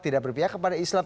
tidak berpihak kepada islam